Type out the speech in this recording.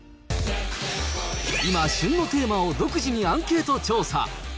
今、旬のテーマを独自にアンケート調査。